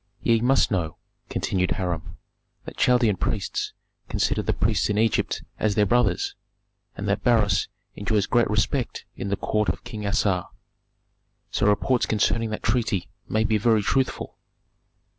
"Ye must know," continued Hiram, "that Chaldean priests consider the priests in Egypt as their brothers, and that Beroes enjoys great esteem in the Court of King Assar, so reports concerning that treaty may be very truthful."